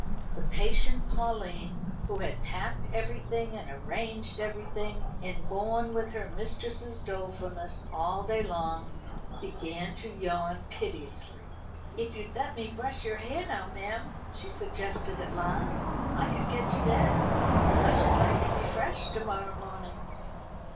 The patient Pauline, who had packed everything and arranged everything, and borne with her mistress's dolefulness all day long, began to yawn piteously. "If you'd let me brush your hair now, ma'am," she suggested at last, "I could get to bed. I should like to be fresh to morrow morning."